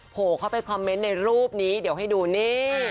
โหเขาไปคอมเมนต์ในรูปนี้ให้ดูนี่